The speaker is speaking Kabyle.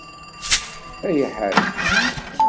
Ay aḥerki!